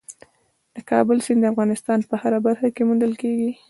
د کابل سیند د افغانستان په هره برخه کې موندل کېږي.